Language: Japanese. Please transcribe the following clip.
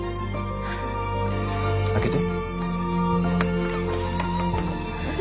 開けて。